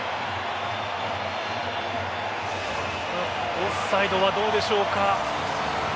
オフサイドはどうでしょうか。